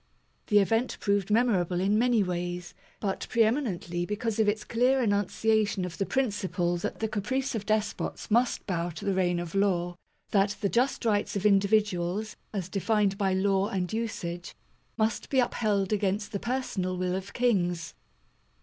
The event proved memor able in many ways, but pre eminently because of its clear enunciation of the principle that the caprice of despots must bow to the reign of law; that the just rights of individuals, as defined by law and usage, must be upheld against the personal will of kings.